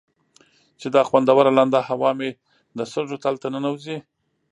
چې دا خوندوره لنده هوا مې د سږو تل ته ننوځي.